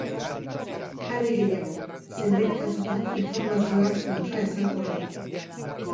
Are gehiago, zenbait kasutan, informazioa kontraesankorra da.